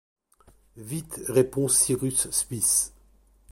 Vite répondit Cyrus Smith